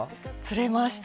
釣れました。